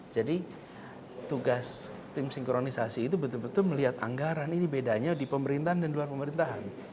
jadi tugas tim sinkronisasi itu betul betul melihat anggaran ini bedanya di pemerintahan dan luar pemerintahan